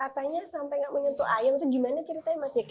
katanya sampai nggak menyentuh ayam itu gimana ceritanya mas jeket